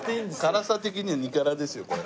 辛さ的には２辛ですよこれ。